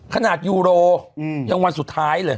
ยูโรยังวันสุดท้ายเลย